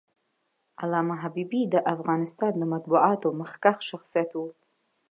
علامه حبيبي د افغانستان د مطبوعاتو مخکښ شخصیت و.